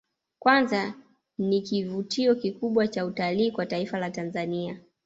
Kwanza ni kivutio kikubwa cha utalii kwa taifa la Tanzania